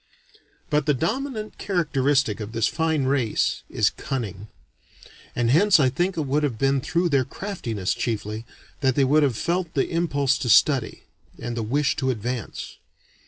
But the dominant characteristic of this fine race is cunning. And hence I think it would have been through their craftiness, chiefly, that they would have felt the impulse to study, and the wish to advance.